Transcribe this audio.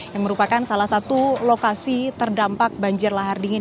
yang merupakan salah satu lokasi terdampak banjir lahar dingin